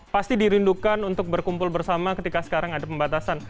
pasti dirindukan untuk berkumpul bersama ketika sekarang ada pembatasan